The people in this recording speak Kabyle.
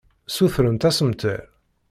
Ssutrent assemter.